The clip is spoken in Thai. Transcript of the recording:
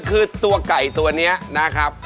คือตัวไก่ตัวนี้นะครับ